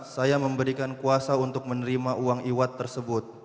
saya memberikan kuasa untuk menerima uang iwat tersebut